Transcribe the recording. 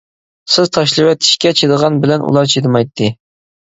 سىز تاشلىۋېتىشكە چىدىغان بىلەن ئۇلار چىدىمايتتى.